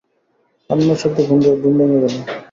কান্নার শব্দে ঘুম ভেঙে গেল।